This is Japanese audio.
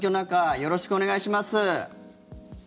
よろしくお願いします。